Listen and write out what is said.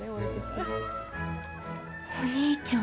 お兄ちゃん。